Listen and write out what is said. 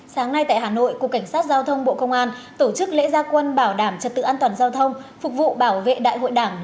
sáng nay tại hà nội cục cảnh sát giao thông bộ công an tổ chức lễ gia quân bảo đảm trật tự an toàn giao thông phục vụ bảo vệ đại hội đảng